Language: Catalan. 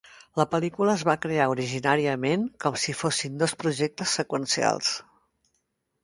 La pel·lícula es va crear originàriament com si fossin dos projectes seqüencials.